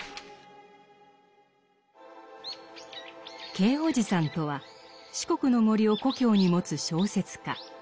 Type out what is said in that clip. Ｋ伯父さんとは四国の森を故郷に持つ小説家。